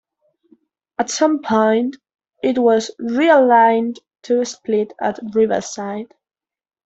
At some point it was realigned to split at Riverside.